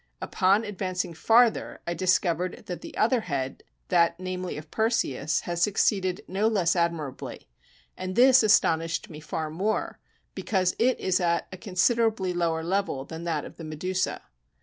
Upon advancing farther, I discovered that the other head, that, namely, of Perseus, had succeeded no less admirably; and this astonished me far more, because it is at a considerably lower level than that of the Medusa.